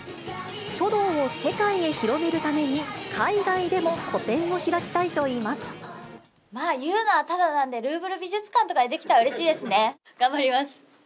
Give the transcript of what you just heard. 書道を世界へ広めるために、海外でも個展を開きたいといいま言うのはただなんで、ルーヴル美術館とかでできたらうれしいですね。